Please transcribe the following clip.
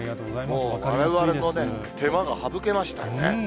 もう、われわれの手間が省けましたね。